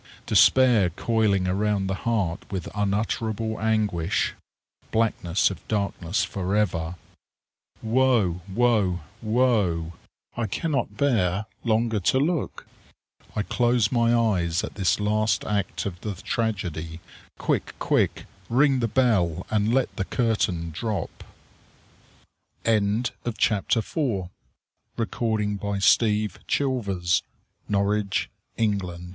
Despair coiling around the heart with unutterable anguish. Blackness of darkness forever_. Woe! Woe! Woe! I cannot bear longer to look. I close my eyes at this last act of the tragedy. Quick! Quick! Ring the bell and let the curtain drop. THE INDISCRIMINATE DANCE. It is the anniversary of Herod's birthday.